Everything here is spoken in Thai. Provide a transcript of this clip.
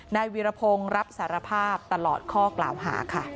นายวีรพงศ์รับสารภาพตลอดข้อกล่าวหาค่ะ